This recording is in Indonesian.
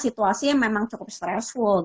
situasi yang memang cukup stressfull gitu